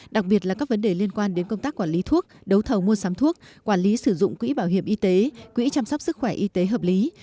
đặc biệt là các vấn đề liên quan đến công tác quản lý thuốc đấu thầu mua sắm thuốc quản lý sử dụng quỹ bảo hiểm y tế quỹ chăm sóc sức khỏe y tế hợp lý